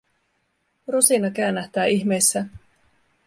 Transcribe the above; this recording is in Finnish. Rosina käännähtää ihmeissään.